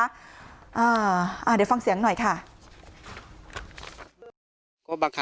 เดี๋ยวฟังเสียงหน่อยค่ะ